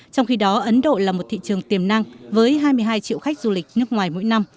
trong khi đó ấn độ là một thị trường tiềm năng với hai mươi hai triệu khách du lịch nước ngoài mỗi năm